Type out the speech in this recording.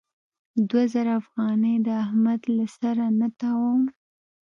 دوه زره افغانۍ د احمد له سره نه تاووم.